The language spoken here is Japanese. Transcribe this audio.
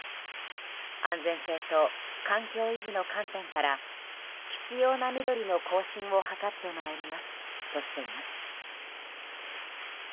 安全性と環境維持の観点から必要なみどりの更新を図ってまいりますとしています。